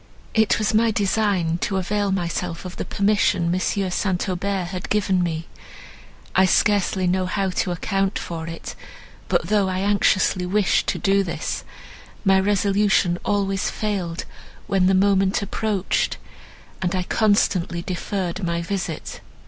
"It was my design to avail myself of the permission M. St. Aubert had given me. I scarcely know how to account for it; but, though I anxiously wished to do this, my resolution always failed, when the moment approached, and I constantly deferred my visit.